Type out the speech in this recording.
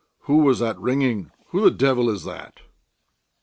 Who was that ringing? Who the devil is that?"